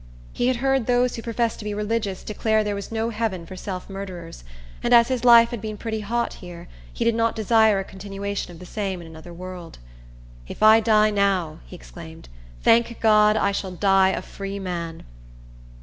He had heard those who profess to be religious declare there was no heaven for self murderers; and as his life had been pretty hot here, he did not desire a continuation of the same in another world. "If I die now," he exclaimed, "thank God, I shall die a freeman!"